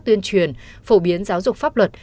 tuyên truyền phổ biến giáo dục pháp luật